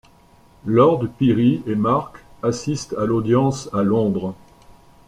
Lord Pirrie et Mark assistent à l’audience à Londres.